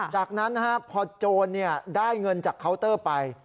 จากนั้นพอโจรได้เงินจากเคาน์เตอร์ไป